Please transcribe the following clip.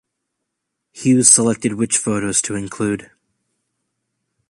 Hughes selected which photos to include.